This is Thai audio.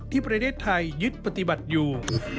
ประเทศไทยยึดปฏิบัติอยู่